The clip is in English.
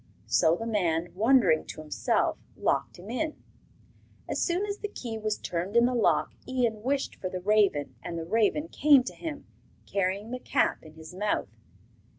So the man, wondering to himself, locked him in. As soon as the key was turned in the lock Ian wished for the raven, and the raven came to him, carrying the cap in his mouth.